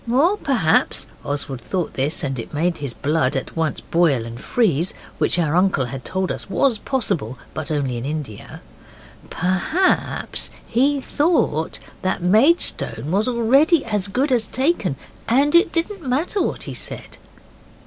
Or perhaps (Oswald thought this, and it made his blood at once boil and freeze, which our uncle had told us was possible, but only in India), perhaps he thought that Maidstone was already as good as taken and it didn't matter what he said.